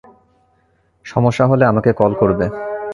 সমস্যা হলে আমাকে কল করবে।